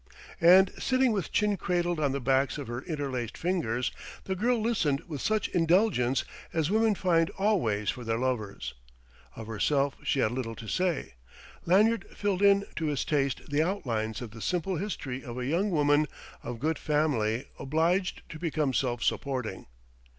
And sitting with chin cradled on the backs of her interlaced fingers, the girl listened with such indulgence as women find always for their lovers. Of herself she had little to say: Lanyard filled in to his taste the outlines of the simple history of a young woman of good family obliged to become self supporting.